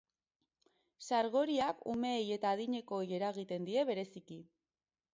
Sargoriak umeei eta adinekoei eragiten die bereziki.